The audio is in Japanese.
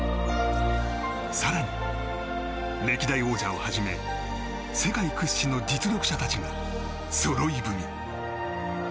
更に、歴代王者をはじめ世界屈指の実力者たちがそろい踏み。